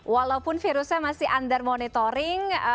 walaupun virusnya masih under monitoring